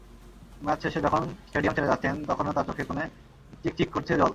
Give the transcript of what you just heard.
Match শেষে যখন stadium ছেড়ে যাচ্ছেন, তখনো তাঁর চোখের কোণে চিকচিক করছে জল।